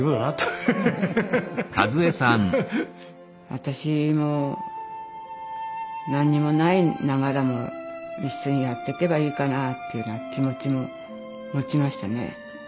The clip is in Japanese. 私も何にもないながらも一緒にやっていけばいいかなというような気持ちも持ちましたね。